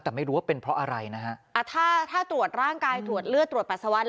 แต่ไม่รู้ว่าเป็นเพราะอะไรนะฮะอ่าถ้าถ้าตรวจร่างกายตรวจเลือดตรวจปัสสาวะ